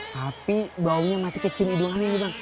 tapi baunya masih kecing hidungan ini bang